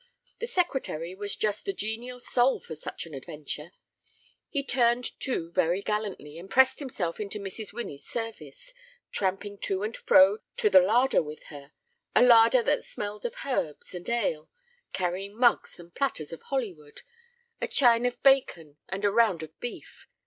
The Secretary was just the genial soul for such an adventure. He turned to very gallantly, and pressed himself into Mrs. Winnie's service, tramping to and fro to the larder with her—a larder that smelled of herbs and ale, carrying mugs and platters of hollywood, a chine of bacon, and a round of beef.